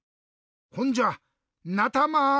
ほんじゃなたま！